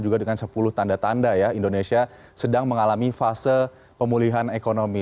juga dengan sepuluh tanda tanda ya indonesia sedang mengalami fase pemulihan ekonomi